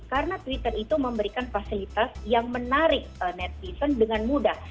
karena twitter itu memberikan fasilitas yang menarik netizen dengan mudah